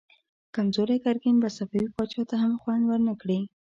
کمزوری ګرګين به صفوي پاچا ته هم خوند ورنه کړي.